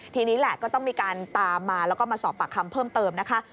ทีนี้แหละก็ต้องมีการตามมาแล้วก็มาสอบปากคำเพิ่มเติมนะคะ